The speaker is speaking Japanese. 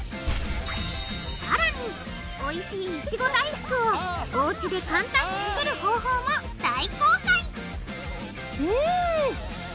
さらにおいしいいちご大福をおうちで簡単に作る方法も大公開！